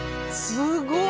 すごい！